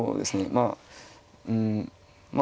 まあうんまあ